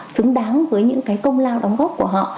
xứng đáng với những cái công lao đóng góp của họ